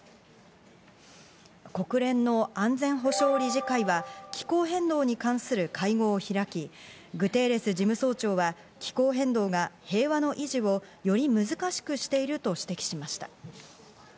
国連の安全保障理事会は気候変動に関する会合を開き、グテーレス事務総長は、気候変動が平和の維持をより難しくしていると指摘しました。